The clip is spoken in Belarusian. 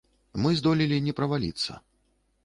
Мы здолелі не праваліцца.